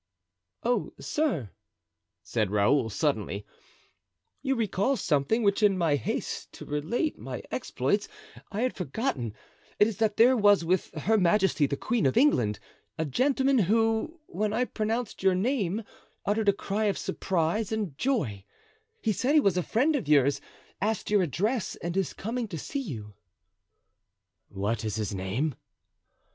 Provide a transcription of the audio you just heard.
"Oh sir," said Raoul, suddenly, "you recall something, which, in my haste to relate my exploits, I had forgotten; it is that there was with Her Majesty the Queen of England, a gentleman who, when I pronounced your name, uttered a cry of surprise and joy; he said he was a friend of yours, asked your address, and is coming to see you." "What is his name?"